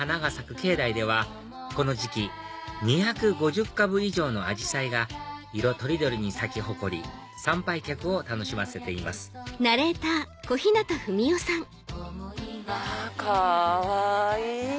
境内ではこの時期２５０株以上のアジサイが色取り取りに咲き誇り参拝客を楽しませていますかわいい！